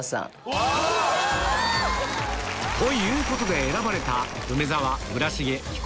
お！ということで選ばれた梅沢村重彦